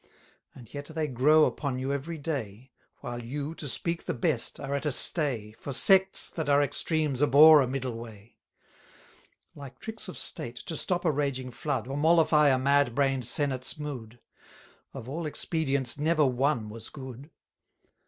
And yet they grow upon you every day, While you, to speak the best, are at a stay, 270 For sects, that are extremes, abhor a middle way. Like tricks of state, to stop a raging flood, Or mollify a mad brain'd senate's mood: Of all expedients never one was good.